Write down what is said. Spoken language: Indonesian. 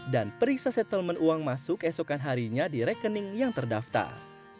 dan periksa settlement uang masuk keesokan harinya di rekening yang terdaftar